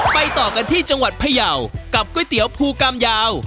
ต่อกันที่จังหวัดพยาวกับก๋วยเตี๋ยวภูกรรมยาว